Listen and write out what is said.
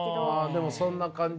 でもそんな感じ